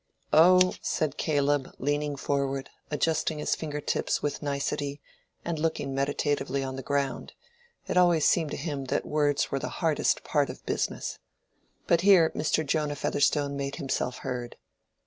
"Oh," said Caleb, leaning forward, adjusting his finger tips with nicety and looking meditatively on the ground. It always seemed to him that words were the hardest part of "business." But here Mr. Jonah Featherstone made himself heard.